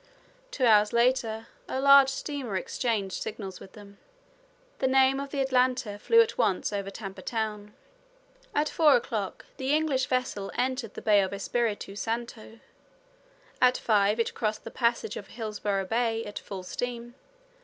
Two hours later a large steamer exchanged signals with them. the name of the Atlanta flew at once over Tampa Town. At four o'clock the English vessel entered the Bay of Espiritu Santo. At five it crossed the passage of Hillisborough Bay at full steam.